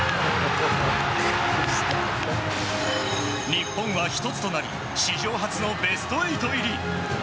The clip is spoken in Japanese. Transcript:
日本はひとつとなり史上初のベスト８入り。